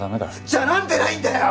じゃあなんでないんだよ！